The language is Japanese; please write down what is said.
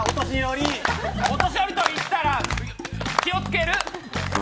お年寄りと言ったら気をつける。